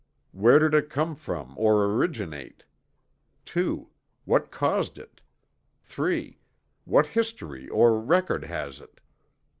Where did it come from or originate? II. What caused it? III. What history or record has it?